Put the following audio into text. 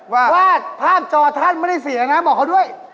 วาดวาดภาพจอท่านไม่ได้เสียนะบอกเขาด้วย